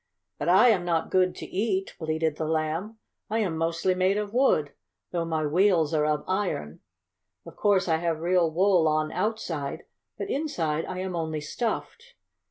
"But I am not good to eat," bleated the Lamb. "I am mostly made of wood, though my wheels are of iron. Of course I have real wool on outside, but inside I am only stuffed."